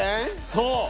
そう！